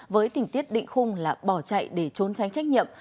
với tình tiết định khung là bỏ chạy để trốn tránh trách nhiệm